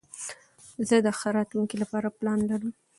زه د ښه راتلونکي له پاره پلان لرم.